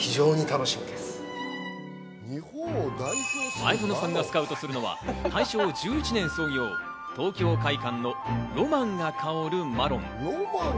前園さんがスカウトするのは、大正１１年創業、東京會舘のロマンが香るマロン。